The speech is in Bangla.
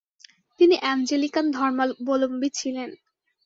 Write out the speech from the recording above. তিনি অ্যাঞ্জেলিকান ধর্মাবলম্বী ছিলেন।